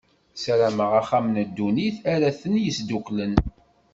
Ssaramen axxam n ddunit ara ten-yesduklen.